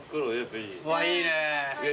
いいね。